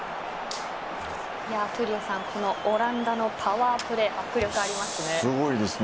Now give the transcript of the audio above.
闘莉王さんオランダのパワープレー迫力がありますね。